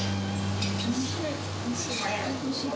おいしい。